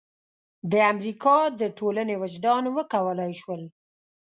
د امریکا د ټولنې وجدان وکولای شول.